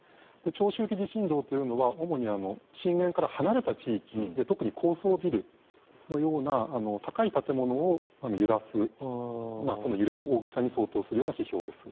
長周期地震動というのは主に震源から離れた地域で特に高層ビルのような高い建物を揺らす揺れの大きさに相当するような指標です。